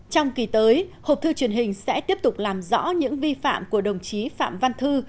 trong kỳ tới hộp thư truyền hình sẽ tiếp tục làm rõ những vi phạm của đồng chí phạm văn thư